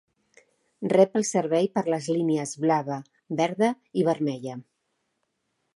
Rep el servei per les línies blava, verda i vermella.